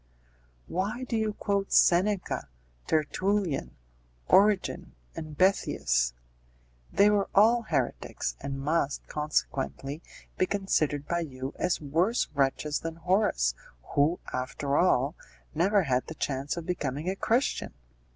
"Why do you quote Seneca, Tertullian, Origen, and Boethius? They were all heretics, and must, consequently, be considered by you as worse wretches than Horace, who, after all, never had the chance of becoming a Christian!"